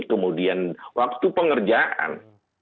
kemudian waktu pengerjaan